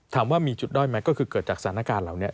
ถามว่ามีจุดด้อยไหมก็คือเกิดจากสถานการณ์เหล่านี้